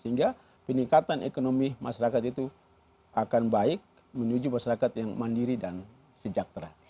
sehingga peningkatan ekonomi masyarakat itu akan baik menuju masyarakat yang mandiri dan sejahtera